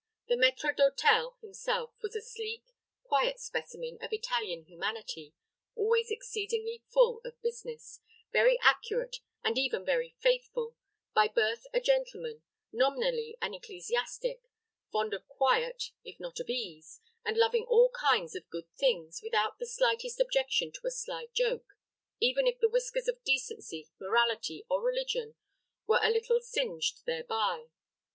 The maître d'hôtel himself was a sleek, quiet specimen of Italian humanity, always exceedingly full of business, very accurate, and even very faithful; by birth a gentleman; nominally an ecclesiastic; fond of quiet, if not of ease, and loving all kinds of good things, without the slightest objection to a sly joke, even if the whiskers of decency, morality, or religion were a little singed thereby.